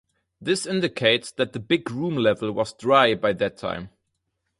This indicates that the Big Room level was dry by that time.